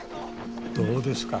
どうですか？